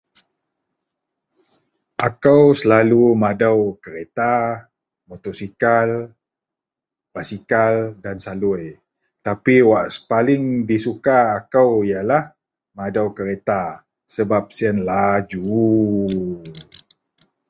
Akou selalu madou keretak, motorsikal, basikal dan salui tapi wak paling disuka kou ialah madou keretak sebab siyen laju